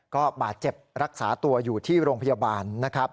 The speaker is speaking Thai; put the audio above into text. ก็บาดเจ็บรักษาตัวอยู่ที่โรงพยาบาลนะครับ